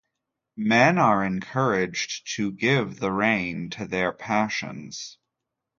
Men are encouraged to give the rein to their passions.